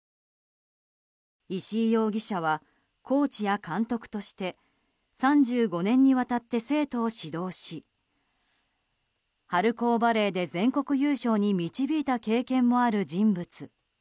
石井容疑者はコーチや監督として３５年にわたって生徒を指導し春高バレーで全国優勝に導いた経験もある人物。